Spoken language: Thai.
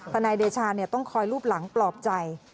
นายเดชาต้องคอยรูปหลังปลอบใจ